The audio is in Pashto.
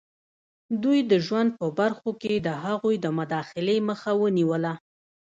دوی د ژوند په برخو کې د هغوی د مداخلې مخه ونیوله.